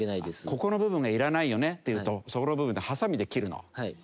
「ここの部分がいらないよね」っていうとそこの部分ハサミで切るの。